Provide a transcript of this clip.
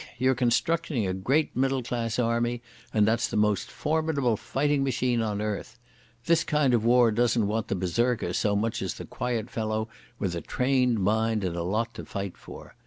You're constructing a great middle class army, and that's the most formidable fighting machine on earth. This kind of war doesn't want the Berserker so much as the quiet fellow with a trained mind and a lot to fight for.